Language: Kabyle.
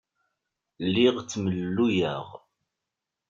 Lliɣ ttemlelluyeɣ.